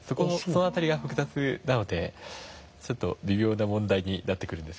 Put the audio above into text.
その辺りが複雑なのでちょっと微妙な問題になってくるんですけども。